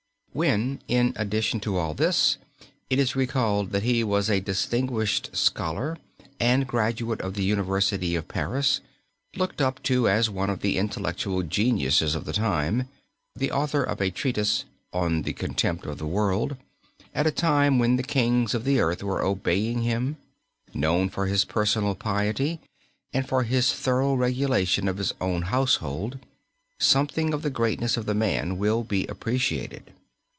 When, in addition to all this, it is recalled that he was a distinguished scholar and graduate of the University of Paris, looked up to as one of the intellectual geniuses of the time, the author of a treatise "On the Contempt of the World" at a time when the kings of the earth were obeying him, known for his personal piety and for his thorough regulation of his own household, something of the greatness of the man will be appreciated.